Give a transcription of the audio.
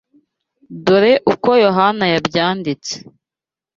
Dore uko Yohana yabyanditse